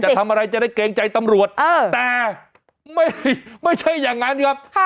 ทำอะไรจะได้เกรงใจตำรวจแต่ไม่ใช่อย่างนั้นครับ